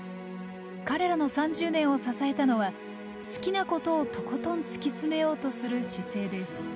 彼らの３０年を支えたのは好きなことをとことん突き詰めようとする姿勢です。